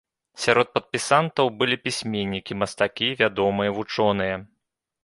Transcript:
Сярод падпісантаў былі пісьменнікі, мастакі, вядомыя вучоныя.